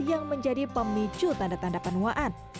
yang menjadi pemicu tanda tanda penuaan